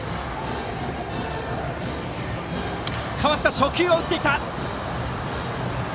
初球を打っていった！